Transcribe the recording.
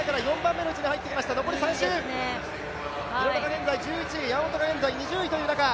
現在１１位、山本が現在２０位という中。